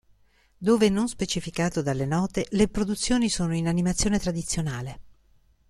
Dove non specificato dalle note, le produzioni sono in animazione tradizionale.